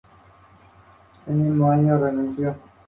En su mayor parte está localizada en el interior del antiguo castillo.